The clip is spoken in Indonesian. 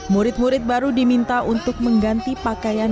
murid murid baru diminta untuk mengganti pakaian